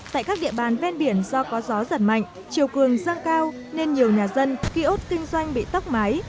tại các địa bàn ven biển do có gió giật mạnh chiều cường giăng cao nên nhiều nhà dân kiosk kinh doanh bị tóc máy